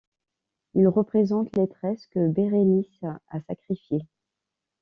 Il représente les tresses que Bérénice a sacrifiées.